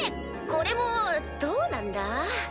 これもどうなんだ？